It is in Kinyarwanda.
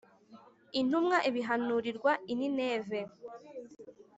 intumwa ibihanurirwa i Nineve